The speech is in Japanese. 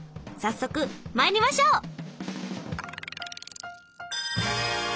早速まいりましょう！